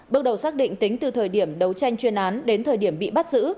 bước đầu xác định tính từ thời điểm đấu tranh chuyên án đến thời điểm bị bắt giữ